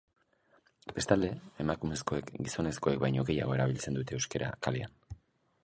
Bestalde, emakumezkoek gizonezkoek baino gehiago erabiltzen dute euskara kalean.